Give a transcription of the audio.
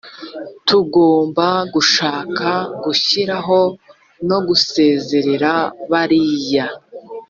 tugomba gushaka gushyiraho no gusezerera bariya